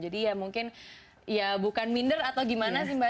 jadi ya mungkin ya bukan minder atau gimana sih mbak